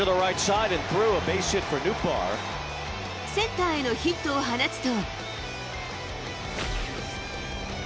センターへのヒットを放つと。